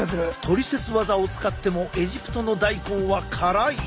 トリセツワザを使ってもエジプトの大根は辛い？